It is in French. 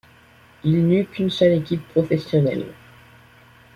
Il n'eut qu'une seule équipe professionnelle.